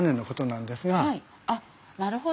はいあっなるほど！